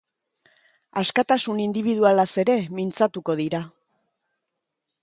Askatasun indibidualaz ere mintzatuko dira.